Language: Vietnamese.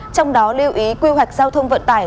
trong đó lưu ý quy hoạch giao thông vận tải